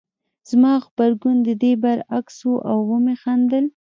زما غبرګون د دې برعکس و او ومې خندل